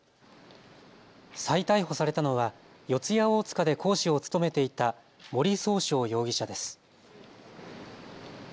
再逮捕されたのは四谷大塚で講師を務めていた森崇翔容疑者です。